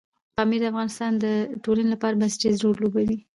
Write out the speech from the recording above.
پامیر د افغانستان د ټولنې لپاره بنسټيز رول لوبوي.